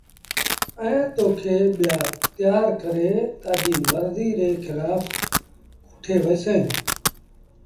ائيٚݩٚ تو کي ٻيآ تيآر ڪري تآجيٚ مرزيٚ ري کلآڦ ڪوٺي وهيٚسينٚ۔